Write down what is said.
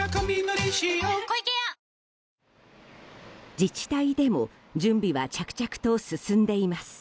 自治体でも準備は着々と進んでいます。